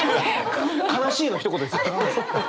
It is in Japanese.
「悲しい」のひと言ですよ。